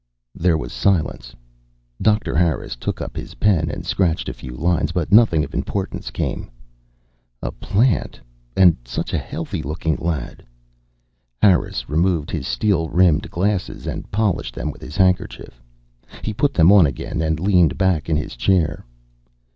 There was silence. Doctor Harris took up his pen and scratched a few lines, but nothing of importance came. A plant? And such a healthy looking lad! Harris removed his steel rimmed glasses and polished them with his handkerchief. He put them on again and leaned back in his chair.